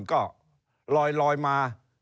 ก็ลอยลอยมาไม่ค่อยมีใครคิดหรอกครับว่า